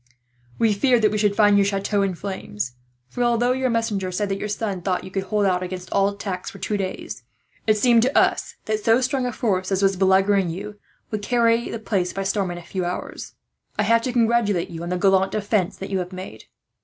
We feared that we should find your chateau in flames for, although your messenger said that your son thought you could hold out against all attacks for two days, it seemed to us that so strong a force as was beleaguering you would carry the place by storm, in a few hours. I have to congratulate you on the gallant defence that you have made."